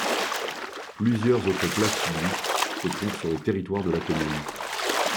Plusieurs autres plages publiques se trouvent sur le territoire de la commune.